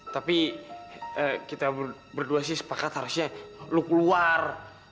tapi kita berdua sih sepakat harusnya lo keluar